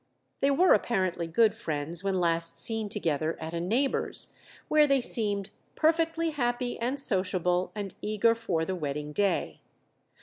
They were apparently good friends when last seen together at a neighbour's, where they seemed "perfectly happy and sociable, and eager for the wedding day."